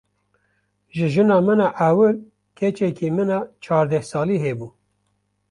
Ji jina min a ewil keçeke min a çardeh salî hebû.